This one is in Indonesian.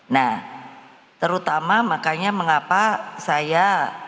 nah terutama makanya mengapa saya